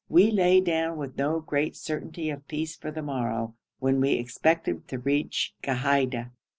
We lay down with no great certainty of peace for the morrow, when we expected to reach Ghaida.